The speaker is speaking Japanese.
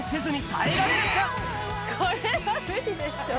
これは無理でしょ。